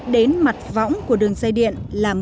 đến mặt võng của đường dây điện là một mươi năm năm m